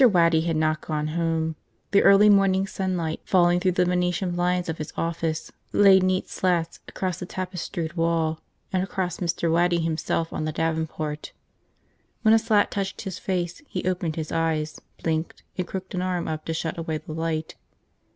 WADDY had not gone home. The early morning sunlight, falling through the Venetian blinds of his office, laid neat slats across the tapestried wall and across Mr. Waddy himself on the davenport. When a slat touched his face he opened his eyes, blinked, and crooked an arm up to shut away the light.